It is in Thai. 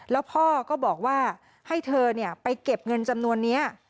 แล้วพ่อก็บอกว่าให้เธอไปเก็บเงินจำนวนนี้